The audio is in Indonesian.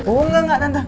oh enggak enggak tante